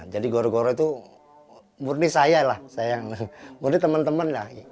jadi goro goro itu murni saya lah murni teman teman lah